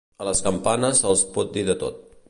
A les campanes se'ls pot dir de tot.